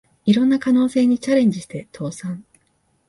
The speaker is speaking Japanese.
いろんな可能性にチャレンジして倒産